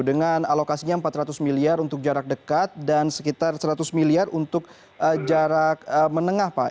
dengan alokasinya empat ratus miliar untuk jarak dekat dan sekitar seratus miliar untuk jarak menengah pak